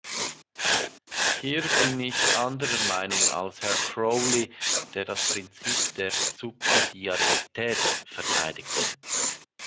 Hier bin ich anderer Meinung als Herr Crowley, der das Prinzip der Subsidiarität verteidigte.